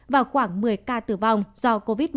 và khoảng một mươi ca tử vong do covid một mươi chín